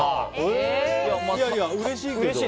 いやいや、うれしいけど。